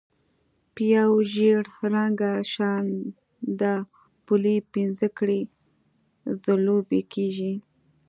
په یو ژېړ رنګه شانداپولي پنځه کړۍ ځلوبۍ کېږي.